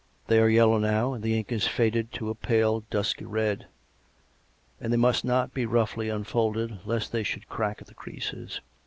They are yellow now, and the ink is faded to a pale dusky red; and they must not be roughly unfolded lest they should crack at the creases.